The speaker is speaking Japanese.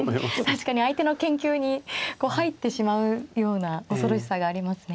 確かに相手の研究に入ってしまうような恐ろしさがありますね。